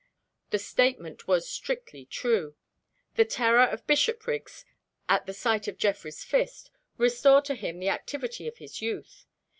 The statement was strictly true. The terror of Bishopriggs at the sight of Geoffrey's fist restored to him the activity of his youth.